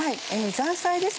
ザーサイです